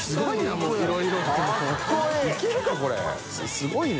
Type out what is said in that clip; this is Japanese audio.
すごいね。